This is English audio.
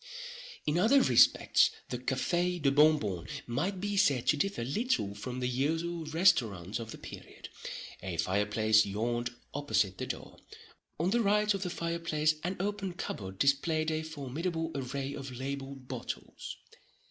In other respects the Café de Bon Bon might be said to differ little from the usual restaurants of the period. A fireplace yawned opposite the door. On the right of the fireplace an open cupboard displayed a formidable array of labelled bottles.